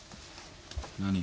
何？